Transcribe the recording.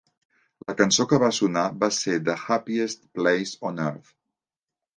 La cançó que va sonar va ser "The Happiest Place on Earth".